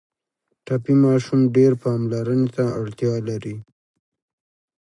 ټپي ماشوم ډېر پاملرنې ته اړتیا لري.